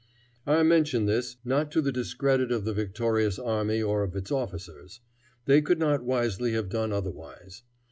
I mention this, not to the discredit of the victorious army or of its officers. They could not wisely have done otherwise.